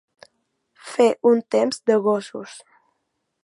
Fer un temps de gossos.